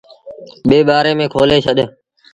ٻي ٻآري ميݩ کولي ڇڏ۔